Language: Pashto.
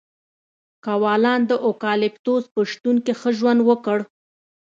کوالان د اوکالیپتوس په شتون کې ښه ژوند وکړ.